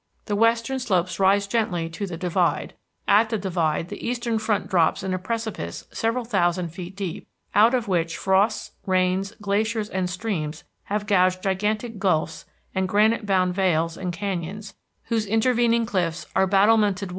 The western slopes rise gently to the divide; at the divide, the eastern front drops in a precipice several thousand feet deep, out of which frosts, rains, glaciers and streams have gouged gigantic gulfs and granite bound vales and canyons, whose intervening cliffs are battlemented walls and monoliths.